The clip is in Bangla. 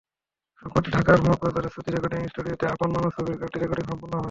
সম্প্রতি ঢাকার মগবাজারের শ্রুতি রেকর্ডিং স্টুডিওতে আপন মানুষ ছবির গানটির রেকর্ডিং সম্পন্ন হয়।